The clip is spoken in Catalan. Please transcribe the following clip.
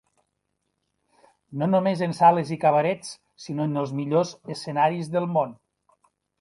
No només en sales i cabarets sinó en els millors escenaris del món.